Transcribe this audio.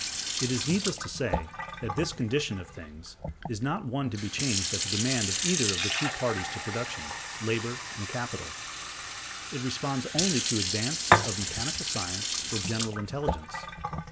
It is needless to say that this condition of things is not one to be changed at the demand of either of the two parties to production, Labor and Capital; it responds only to the advance of mechanical science or general intelligence.